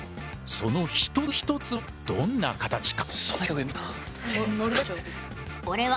その一つ一つはどんな形か？